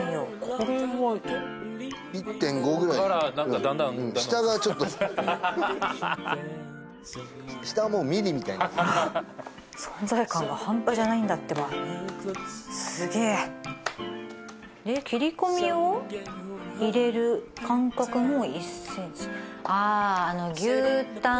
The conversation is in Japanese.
これは１．５ぐらい何かだんだん下がちょっと下もうミリみたいになってる存在感が半端じゃないんだってばすげえっ切り込みを入れる間隔も１ｃｍあーあの牛タン